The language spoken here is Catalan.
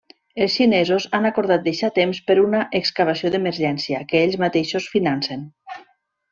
Els xinesos han acordat deixar temps per una excavació d’emergència, que ells mateixos financen.